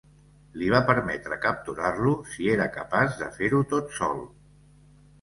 Li va permetre capturar-lo si era capaç de fer-ho tot sol.